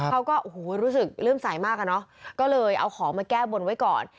เขาก็โอ้โหรู้สึกเลื่อมใสมากอะเนาะก็เลยเอาของมาแก้บนไว้ก่อน